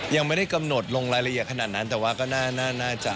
ยังไม่ได้กำหนดลงรายละเอียดขนาดนั้นแต่ว่าก็น่าจะ